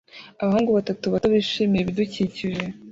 Abahungu batatu bato bishimira ibidukikije